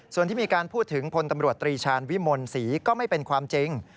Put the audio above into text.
ส่วนที่มีการพูดถึงพลตำรวจตรีชาญวิมลศรีก็ไม่เป็นความจริง